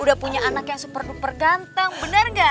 udah punya anak yang super duper ganteng benar gak